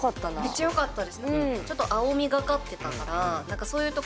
めっちゃよかったです。